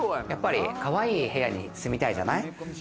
かわいい部屋に住みたいじゃない！